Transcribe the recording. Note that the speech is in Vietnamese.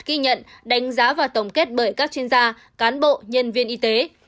ghi nhận đánh giá và tổng kết bởi các chuyên gia cán bộ nhân viên y tế